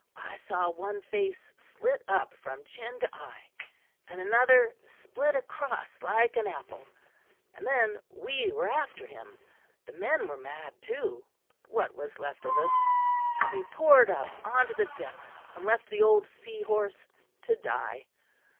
"I saw one face slit up from chin to eye; and another split across like an apple; and then we were after him. The men were mad, too what was left of us; and we poured up on to the decks and left the old Seahorse to die.